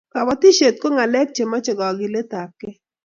kabatishiet ko ngalek chemache kagilet ab kee